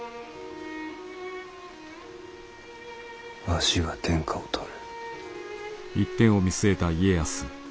わしが天下を取る。